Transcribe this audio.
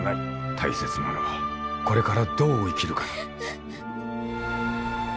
大切なのはこれからどう生きるかだ。